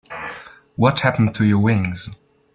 What happened to your wings?